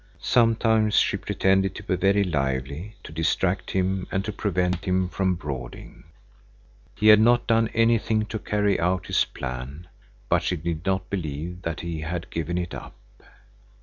Sometimes she pretended to be very lively, to distract him and to prevent him from brooding. He had not done anything to carry out his plan, but she did not believe that he had given it up.